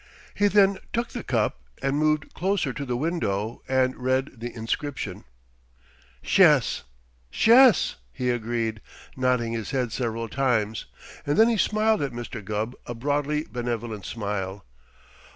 He then took the cup and moved closer to the window and read the inscription. "Shess! Shess!" he agreed, nodding his head several times, and then he smiled at Mr. Gubb a broadly benevolent smile.